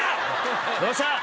どうした？